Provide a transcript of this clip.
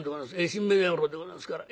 新米の野郎でございますから。